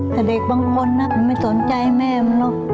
แต่เด็กบางคนนะผมไม่สนใจแม่มันหรอก